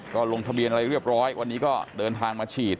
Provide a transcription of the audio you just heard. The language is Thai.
ก็ลงทะเบียนอะไรเรียบร้อยวันนี้ก็เดินทางมาฉีด